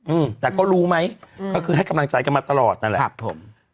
อืมแต่ก็รู้ไหมอืมก็คือให้กำลังใจกันมาตลอดนั่นแหละครับผม